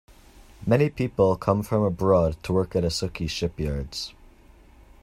Many people come from abroad to work at Usuki shipyards.